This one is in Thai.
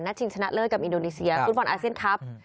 ชิงชนะเลิศกับอินโดนีเซียฟุตบอลอาเซียนครับ